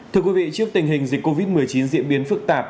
thưa quý vị trước tình hình dịch covid một mươi chín diễn biến phức tạp